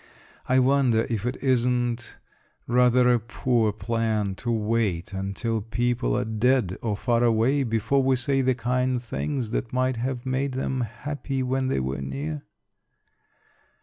I wonder if it isn't rather a poor plan to wait until people are dead or far away before we say the kind things that might have made them happy when they were near?